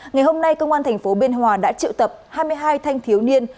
ngày hôm nay cơ quan thành phố biên hòa đã triệu tập hai mươi hai thanh thiếu niên